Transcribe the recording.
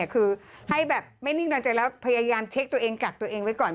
คือให้แบบไม่นิ่งนอนใจแล้วพยายามเช็คตัวเองกัดตัวเองไว้ก่อน